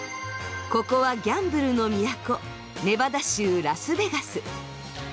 ここはギャンブルの都ネバダ州ラスベガス。